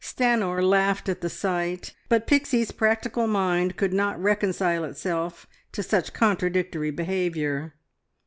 Stanor laughed at the sight, but Pixie's practical mind could not reconcile itself to such contradictory behaviour.